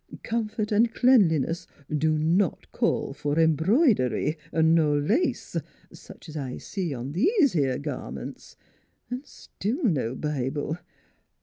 ... Comfort an' cleanliness do not call for embroidery ner lace, such as I see on these 'ere garments an' still no Bi ble